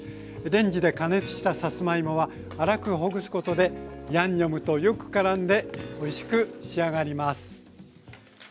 レンジで加熱したさつまいもは粗くほぐすことでヤンニョムとよくからんでおいしく仕上がります。